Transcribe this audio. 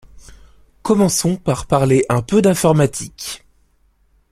Commençons par parler un peu d’informatique...